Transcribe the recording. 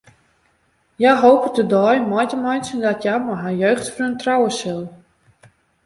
Hja hopet de dei mei te meitsjen dat hja mei har jeugdfreon trouwe sil.